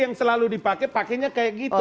yang selalu dipakai pakainya kayak gitu